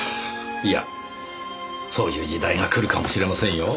いやそういう時代がくるかもしれませんよ。